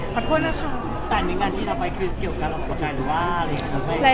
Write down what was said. ขอโทษนะครับแต่งานที่เราไปก็เกี่ยวกับการอุปกรณ์หรือว่า